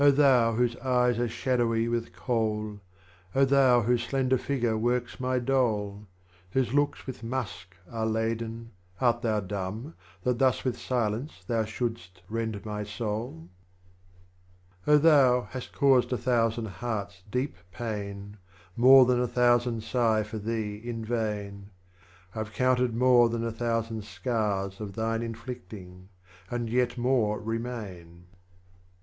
thou whose eyes are shadowy with kohl, thou whose slender figure works my Dole, Whose locks with musk are laden, art thou dumb, That thus with Silence thou shouldst rend my Soul ? 37. thou hast caused a Thousand Hearts deep pain, More than a Thousand siq h for thee in vain, I've counted far more than a thousand Scars Of thine inflicting, and yet More remain.